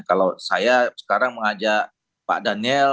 kalau saya sekarang mengajak pak daniel